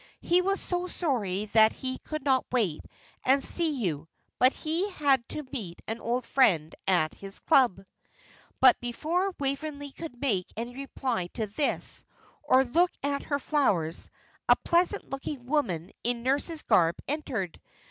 "He was so sorry that he could not wait and see you, but he had to meet an old friend at his club." But before Waveney could make any reply to this, or look at her flowers, a pleasant looking woman in nurse's garb entered.